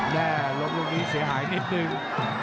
แย่ลงลูกนี้เสียหายนิดนึง